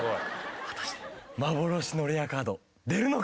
果たして幻のレアカード出るのか？